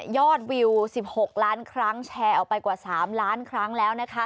วิว๑๖ล้านครั้งแชร์ออกไปกว่า๓ล้านครั้งแล้วนะคะ